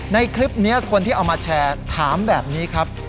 ในคลิปนี้คนที่เอามาแชร์ถามแบบนี้ครับ